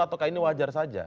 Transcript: atau ini wajar saja